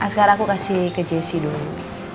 askar aku kasih ke jessy dulu